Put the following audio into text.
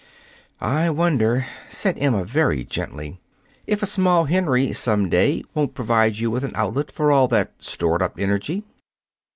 "I wonder," said Emma very gently, "if a small Henry, some day, won't provide you with an outlet for all that stored up energy."